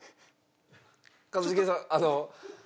一茂さんあの。